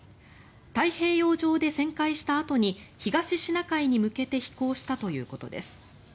太平洋上で旋回したあとに東シナ海に向けて飛行したということです。